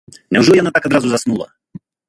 Няўжо яна так адразу заснула?!